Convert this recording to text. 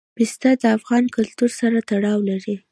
پسه د افغان کلتور سره تړاو لري.